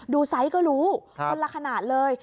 ไซส์ก็รู้คนละขนาดเลย